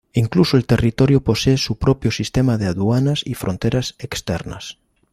Incluso el territorio posee su propio sistema de aduanas y fronteras externas.